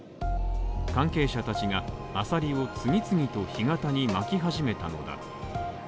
関係者たちがアサリを次々と干潟にまき始めたのだ。